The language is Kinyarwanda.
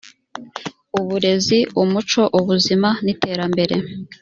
uburezi umuco ubuzima n iterambere